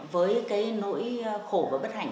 với cái nỗi khổ và bất hạnh